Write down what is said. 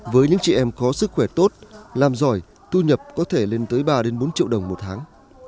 với những chị em có sức khỏe tốt làm giỏi thu nhập có thể lên tới ba bốn triệu đồng một tháng